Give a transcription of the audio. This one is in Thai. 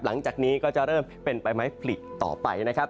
หลังจากนี้ก็จะเริ่มเป็นใบไม้ผลิต่อไปนะครับ